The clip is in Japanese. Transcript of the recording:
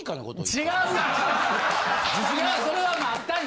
違うやん！